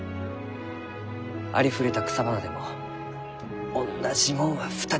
ありふれた草花でもおんなじもんは２つとない。